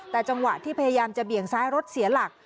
แต่จังหวะที่พยายามจะเบี่ยงซ้ายรถเสียหลัก